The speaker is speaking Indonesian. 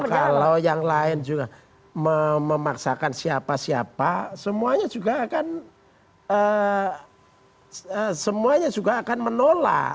kalau yang lain juga memaksakan siapa siapa semuanya juga akan menolak